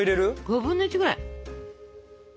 ５分の１くらい。